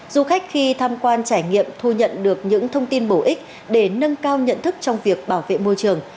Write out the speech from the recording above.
du khách khi tham quan trải nghiệm thu nhận được những thông tin bổ ích để nâng cao nhận thức trong việc bảo vệ môi trường